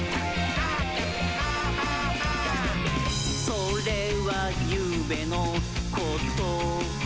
「それはゆうべのことだった」